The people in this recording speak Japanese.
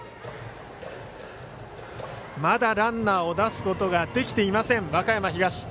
まだランナーを出すことができていない和歌山東。